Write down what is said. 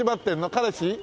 彼氏？